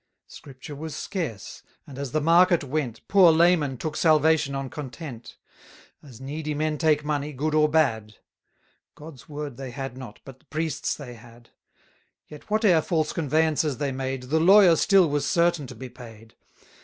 Scripture was scarce, and as the market went, 380 Poor laymen took salvation on content; As needy men take money, good or bad: God's Word they had not, but th' priest's they had. Yet, whate'er false conveyances they made, The lawyer still was certain to be paid.